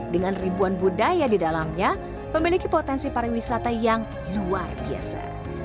dengan ribuan budaya di dalamnya memiliki potensi pariwisata yang luar biasa